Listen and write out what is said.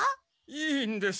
いいんです。